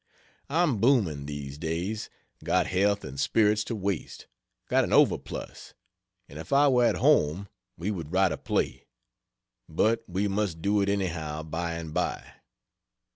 I'm booming, these days got health and spirits to waste got an overplus; and if I were at home, we would write a play. But we must do it anyhow by and by.